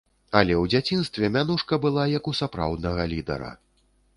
Але і ў дзяцінстве мянушка была, як у сапраўднага лідара.